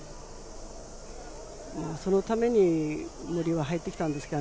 そのために森は入ってきたんですから。